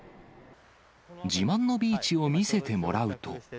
自慢のビーチを見せてもらうと。